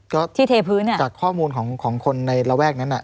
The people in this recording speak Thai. ก็ที่เทพื้นอ่ะจากข้อมูลของของคนในระแวกนั้นอ่ะ